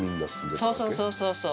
そうそうそうそうそう。